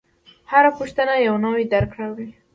هره پوښتنه یو نوی درک راوړي.